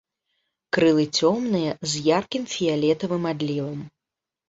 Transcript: Крылы цёмныя з яркім фіялетавым адлівам.